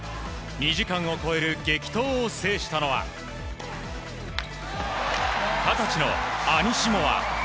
２時間を超える激闘を制したのは二十歳のアニシモワ。